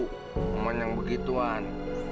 sama yang begituan